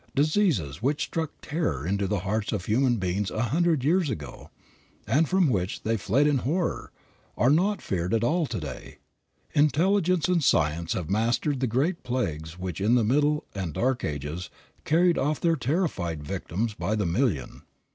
Diseases which struck terror to the hearts of human beings a hundred years ago, and from which they fled in horror, are not feared at all to day. Intelligence and science have mastered the great plagues which in the Middle and Dark Ages carried off their terrified victims by the million.